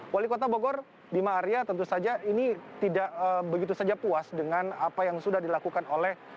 wali kota bogor bima arya tentu saja ini tidak begitu saja puas dengan apa yang sudah dilakukan oleh